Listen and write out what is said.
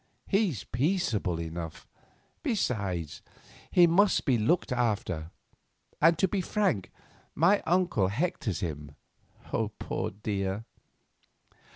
He's peaceable enough; besides, he must be looked after; and, to be frank, my uncle hectors him, poor dear."